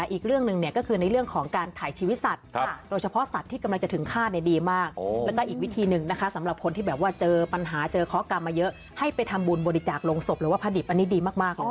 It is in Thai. อีกเรื่องหนึ่งเนี่ยก็คือในเรื่องของการถ่ายชีวิตสัตว์โดยเฉพาะสัตว์ที่กำลังจะถึงฆาตดีมากแล้วก็อีกวิธีหนึ่งนะคะสำหรับคนที่แบบว่าเจอปัญหาเจอข้อกรรมมาเยอะให้ไปทำบุญบริจาคลงศพหรือว่าพระดิบอันนี้ดีมาก